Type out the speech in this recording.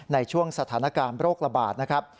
ในช่วงสถานการณ์โรคระบาดนะครับ